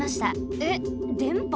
えっでんぱ？